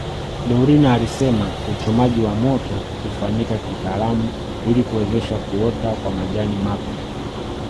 Dorina alisema uchomaji wa moto hufanyika kitaalamu ili kuwezesha kuota kwa majani mapya